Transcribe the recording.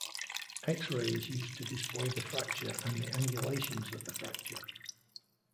X-ray is used to display the fracture and the angulations of the fracture.